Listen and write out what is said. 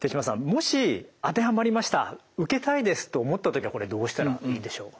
もし当てはまりました受けたいですと思った時はこれどうしたらいいでしょう？